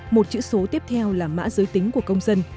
một chữ số tiếp theo là mã giới tính của công dân